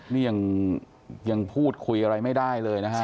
นี่ยังพูดคุยอะไรไม่ได้เลยนะฮะ